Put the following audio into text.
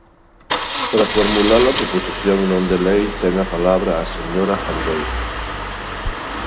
Para formular a proposición non de lei ten a palabra a señora Gandoi.